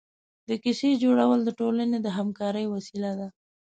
د کیسې جوړول د ټولنې د همکارۍ وسیله ده.